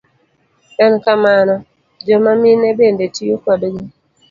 En kamano, joma mine bende tiyo kodgi.